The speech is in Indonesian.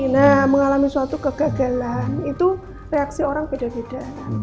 nah mengalami suatu kegagalan itu reaksi orang beda beda